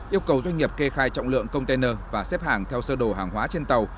yêu cầu doanh nghiệp kê khai trọng lượng container và xếp hàng theo sơ đồ hàng hóa trên tàu